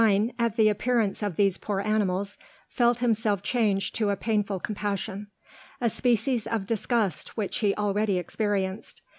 ] Stein, at the appearance of these poor animals, felt himself change to a painful compassion; a species of disgust which he already experienced.